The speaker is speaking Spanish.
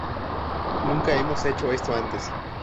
Nunca hemos hecho esto antes.